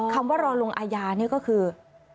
คำว่ารอลงอาญานี่ก็คือ